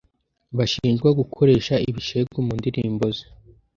bashinjwa gukoresha ibishegu mu ndirimbo ze